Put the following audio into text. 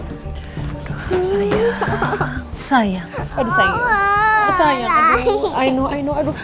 sayang aduh i know i know